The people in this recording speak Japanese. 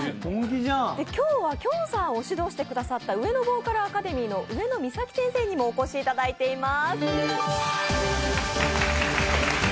今日はきょんさんを指導してくださった上野ヴォーカルアカデミーの上野実咲先生にもお越しいただいています。